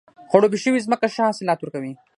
خړوبې شوې ځمکه ښه حاصلات ورکوي.